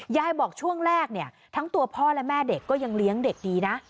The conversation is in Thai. ยายบอกช่วงแรกเนี่ยทั้งตัวพ่อและแม่เด็กก็ยังเลี้ยงเด็กดีนะ